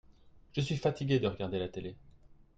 Je suis fatigué de regarder la télé.